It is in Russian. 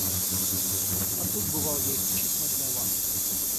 А тут бывал я исключительно для вас.